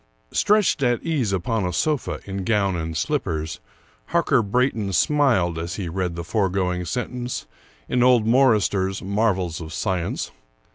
Stretched at ease upon a sofa, in gown and slippers, Harker Brayton smiled as he read the foregoing sentence 103 American Mystery Stories in old Morryster's " Marvells of Science."